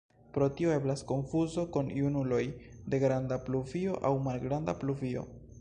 Pro tio eblas konfuzo kun junuloj de Granda pluvio aŭ Malgranda pluvio.